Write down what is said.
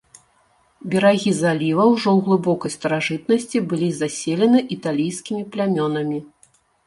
Берагі заліва ўжо ў глыбокай старажытнасці былі заселены італійскімі плямёнамі.